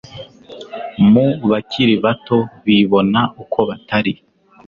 mu bakiri bato bibona uko batari